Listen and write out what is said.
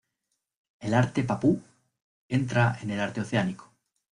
El arte papú entra en el arte oceánico.